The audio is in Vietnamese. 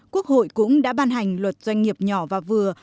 quốc hội cũng đã ban hành luật doanh nghiệp nhỏ và vừa